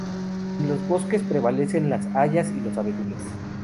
En los bosques prevalecen las hayas y los abedules.